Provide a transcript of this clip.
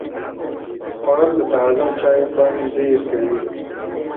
خوړل د تازه چای خوند ډېر کوي